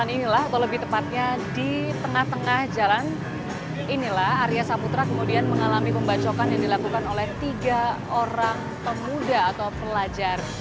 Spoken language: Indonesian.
inilah arya saputra kemudian mengalami pembacokan yang dilakukan oleh tiga orang pemuda atau pelajar